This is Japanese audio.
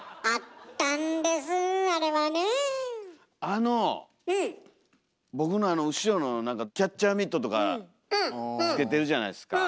あの僕のあの後ろのなんかキャッチャーミットとかつけてるじゃないですか。